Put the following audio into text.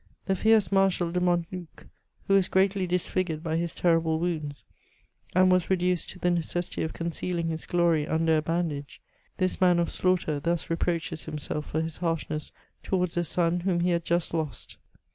The fierce Marshal de Montluc, who was greatly disfigured by his terrible wounds, and was reduced to the necessity of ooncealiug his glory under a bandage ; this man of slaughteri thus reproaches himself for his harshness towards a son, whom he had just lost.